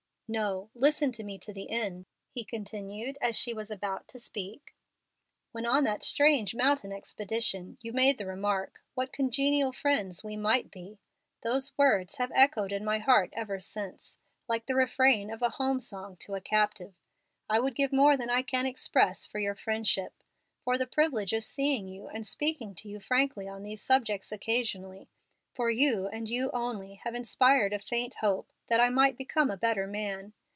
"No, listen to me to the end," he continued, as she was about to speak. "When on that strange mountain expedition, you made the remark, 'What congenial friends we might be!' Those words have echoed in my heart ever since, like the refrain of a home song to a captive. I would give more than I can express for your friendship for the privilege of seeing you and speaking to you frankly on these subjects occasionally, for you and you only have inspired a faint hope that I might become a better man.